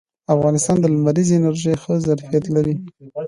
افغانستان د لمریزې انرژۍ ښه ظرفیت لري